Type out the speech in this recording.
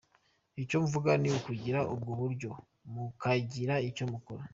Icyo mvuga ni ukugira ubwo buryo, mukagira icyo mukora.